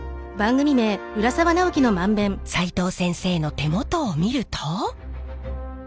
さいとう先生の手元を見ると。